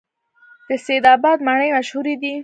د سید اباد مڼې مشهورې دي